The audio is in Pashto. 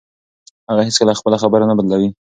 هغه هیڅکله خپله خبره نه بدلوي.